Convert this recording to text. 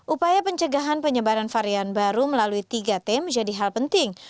upaya pencegahan penyebaran varian baru melalui tiga t menjadi hal penting